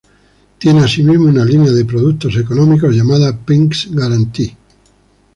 Tiene asimismo una línea de productos económicos llamada "Prix-Garantie".